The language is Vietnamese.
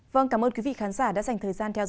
vâng cảm ơn quý vị khán giả đã dành thời gian theo dõi